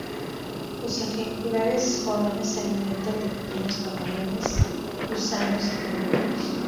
Los ejemplares jóvenes se alimentan de pequeños camarones, gusanos y cangrejos.